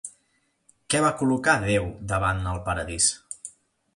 Què va col·locar Déu davant el Paradís?